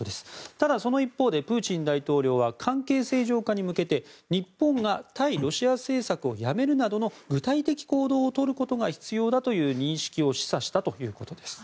ただ、その一方でプーチン大統領は関係正常化に向けて日本が対ロシア政策をやめるなどの具体的行動をとることが必要だという認識を示唆したということです。